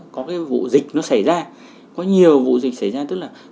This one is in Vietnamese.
có cái vụ dịch nó xảy ra có nhiều vụ dịch xảy ra